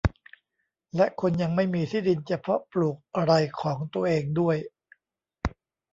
และคนยังไม่มีที่ดินจะเพาะปลูกอะไรของตัวเองด้วย